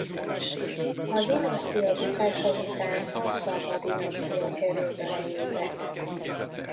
A dinasztia bukása után a Szamma-dinasztia került a helyébe.